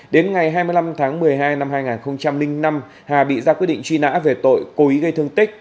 đến ngày hai mươi năm tháng một mươi hai năm hai nghìn năm hà bị ra quyết định truy nã về tội cố ý gây thương tích